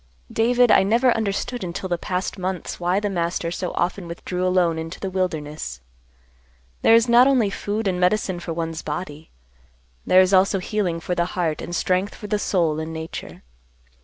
"David, I never understood until the past months why the Master so often withdrew alone into the wilderness. There is not only food and medicine for one's body; there is also healing for the heart and strength for the soul in nature.